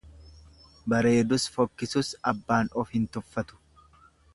Bareedus fokkisus abbaan of hin tuffatu.